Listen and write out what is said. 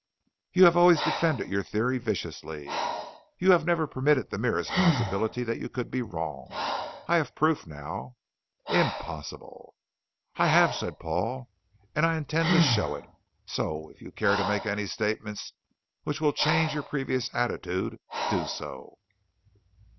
"You have always defended your theory viciously. You have never permitted the merest possibility that you could be wrong. I have proof, now." "Impossible." "I have," said Paul. "And I intend to show it. So, if you care to make any statements which will change your previous attitude, do so."